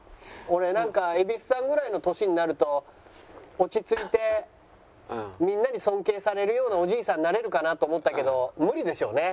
俺蛭子さんぐらいの年になると落ち着いてみんなに尊敬されるようなおじいさんになれるかなと思ったけど無理でしょうね。